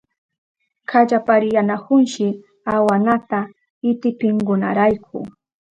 Kallaripayanahunshi awanata itipinkunarayku.